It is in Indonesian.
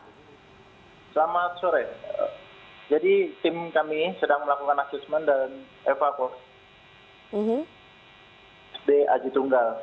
selamat sore jadi tim kami sedang melakukan asesmen dan evakuasi di aji tunggal